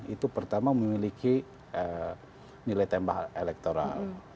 itu pertama memiliki nilai tambah elektoral